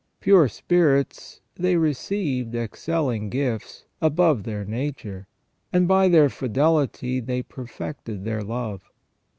Pure spirits, they received excelling gifts, above their nature, and by their fidelity they perfected their love.